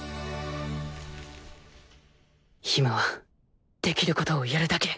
今はできることをやるだけ！